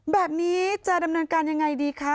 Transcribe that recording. แบบนี้จะดำเนินการยังไงดีคะ